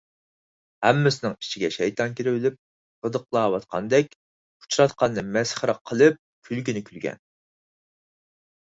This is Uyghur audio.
ھەممىسىنىڭ ئىچىگە شەيتان كىرىۋېلىپ غىدىقلاۋاتقاندەك ئۇچىراتقاننى مەسخىرە قىلىپ كۈلگىنى كۈلگەن.